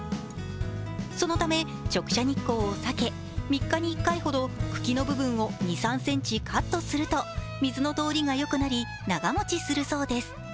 そのため、直射日光を避け３日に１回ほど茎の部分を２３ｃｍカットすると、水の通りがよくなり長もちするそうです。